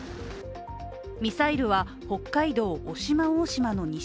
ミサイルは北海道渡島大島の西